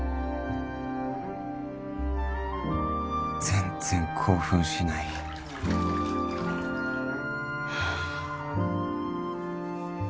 全然興奮しないハァ。